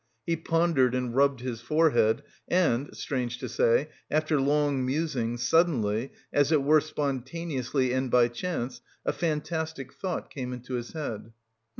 He pondered and rubbed his forehead, and, strange to say, after long musing, suddenly, as if it were spontaneously and by chance, a fantastic thought came into his head.